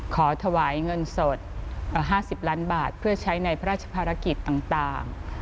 ขอถวายเงินสด๕๐ล้านบาทเพื่อใช้ในพระราชภารกิจต่าง